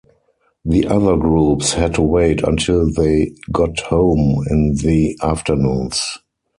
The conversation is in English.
The other groups had to "wait until they got home" in the afternoons.